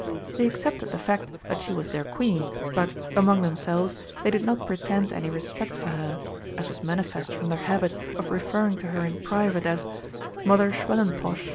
They accepted the fact that she was their Queen, but, among themselves, they did not pretend any respect for her, as was manifest from their habit of referring to her in private as "Mother Schwellenposch!"